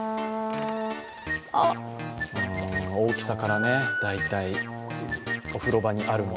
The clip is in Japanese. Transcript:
大きさから大体、お風呂場にあるもの。